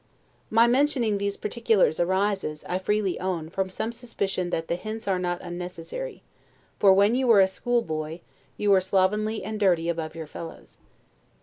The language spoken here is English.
My mentioning these particulars arises (I freely own) from some suspicion that the hints are not unnecessary; for, when you were a schoolboy, you were slovenly and dirty above your fellows.